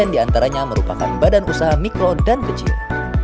delapan puluh lima diantaranya merupakan badan usaha mikro dan kecil